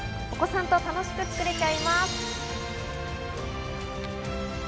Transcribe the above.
お子さんと楽しく作れちゃいます。